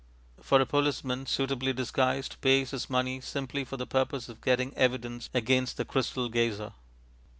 For a policeman (suitably disguised) pays his money simply for the purpose of getting evidence against the crystal gazer.